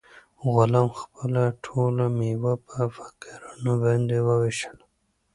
غلام خپله ټوله مېوه په فقیرانو باندې وویشله.